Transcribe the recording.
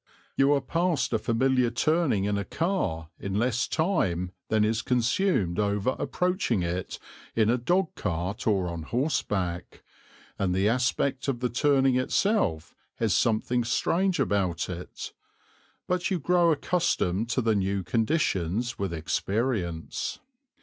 You are past a familiar turning in a car in less time than is consumed over approaching it in a dog cart or on horseback, and the aspect of the turning itself has something strange about it; but you grow accustomed to the new conditions with experience.